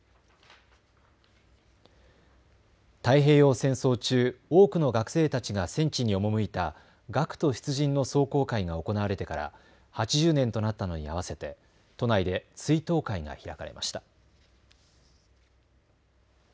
太平洋戦争中、多くの学生たちが戦地に赴いた学徒出陣の壮行会が行われてから８０年となったのに合わせて都内で追悼会が開かれました。